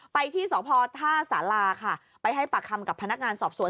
ไปที่สพท่าสาราค่ะไปให้ปากคำกับพนักงานสอบสวน